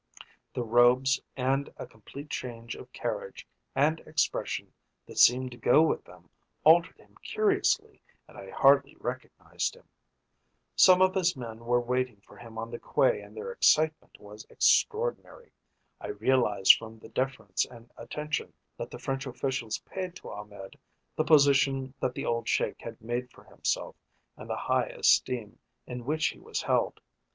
The robes and a complete change of carriage and expression that seemed to go with them altered him curiously and I hardly recognised him. Some of his men were waiting for him on the quay and their excitement was extraordinary. I realised from the deference and attention that the French officials paid to Ahmed the position that the old Sheik had made for himself and the high esteem in which he was held.